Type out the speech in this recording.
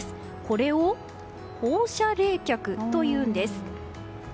これを放射冷却というんです。